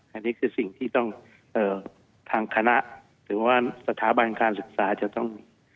อันนี้คือสิ่งที่ต้องทางคณะหรือว่าสถาบันการศึกษาจะต้อง